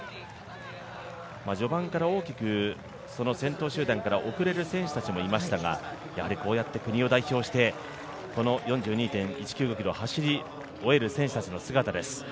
序盤から大きく先頭集団から遅れる選手たちもいましたがやはりこうやって国を代表して４２．１９５ｋｍを走り終える選手たちです。